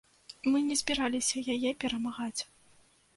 Мы не збіраліся яе перамагаць.